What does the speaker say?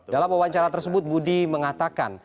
dalam wawancara tersebut budi mengatakan